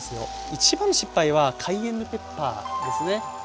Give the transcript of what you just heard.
一番の失敗はカイエンヌペッパーですね。